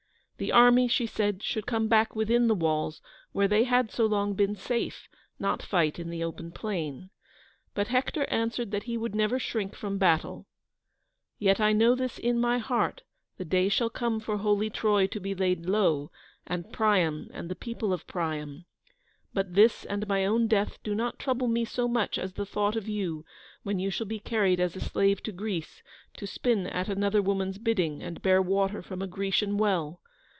The army she said, should come back within the walls, where they had so long been safe, not fight in the open plain. But Hector answered that he would never shrink from battle, "yet I know this in my heart, the day shall come for holy Troy to be laid low, and Priam and the people of Priam. But this and my own death do not trouble me so much as the thought of you, when you shall be carried as a slave to Greece, to spin at another woman's bidding, and bear water from a Grecian well.